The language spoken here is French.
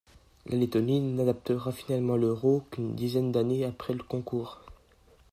La Lettonie n'adoptera finalement l'euro qu'une dizaine d'années après le concours.